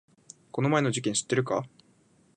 この前の事件知ってるか？